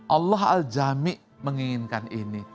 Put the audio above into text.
allah al jami menginginkan ini